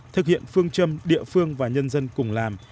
thực hiện phương châm địa phương và nhân dân cùng làm